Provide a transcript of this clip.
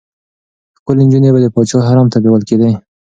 ښکلې نجونې به د پاچا حرم ته بېول کېدې.